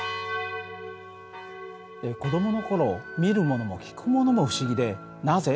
子どもの頃見るものも聞くものも不思議で「なぜ？」